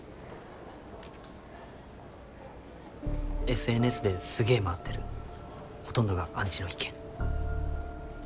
ＳＮＳですげぇ回ってるほとんどがアンチの意見。